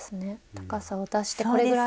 高さを出してこれぐらい？